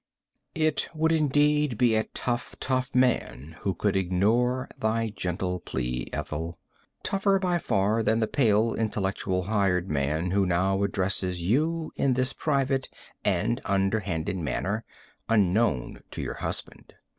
It would indeed be a tough, tough man who could ignore thy gentle plea, Ethel; tougher far than the pale, intellectual hired man who now addresses you in this private and underhanded manner, unknown to your husband.